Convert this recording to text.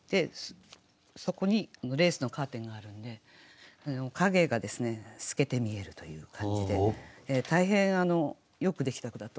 そこにレースのカーテンがあるんで影が透けて見えるという感じで大変よくできた句だと。